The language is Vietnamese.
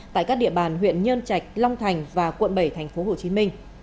tại các địa bàn huyện nhân trạch long thành và quận bảy thành phố hồ chí minh